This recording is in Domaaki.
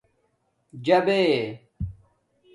جابے